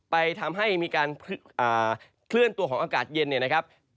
ทำให้มีการเคลื่อนตัวของอากาศเย็นเนี่ยนะครับ